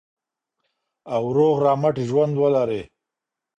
او روغ رمټ ژوند ولرئ.